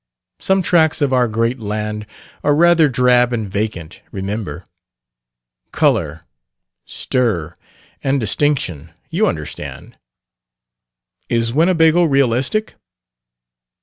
Some tracts of our great land are rather drab and vacant, remember. Color, stir, and distinction, you understand." "Is Winnebago ritualistic?"